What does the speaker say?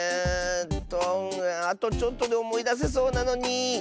あとちょっとでおもいだせそうなのに！